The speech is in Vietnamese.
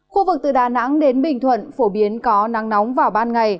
khu vực từ đà nẵng đến bình thuận phổ biến có nắng nóng vào ban ngày